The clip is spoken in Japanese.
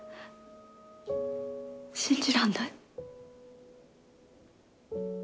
信じらんない。